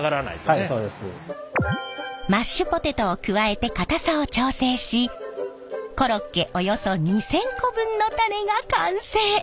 はいそうです。マッシュポテトを加えて硬さを調整しコロッケおよそ２，０００個分のタネが完成。